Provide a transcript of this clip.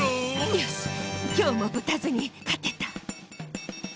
よしきょうもぶたずにかてた。